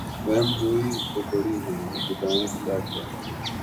بہم ہوئے تو پڑی ہیں جدائیاں کیا کیا